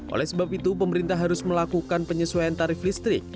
oleh sebab itu pemerintah harus melakukan penyesuaian tarif listrik